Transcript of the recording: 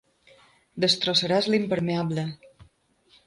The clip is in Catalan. Destrossaràs l'impermeable.